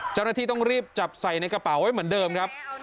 เจ้าหน้าที่ต้องรีบจับใส่ในกระเป๋าไว้เหมือนเดิมครับ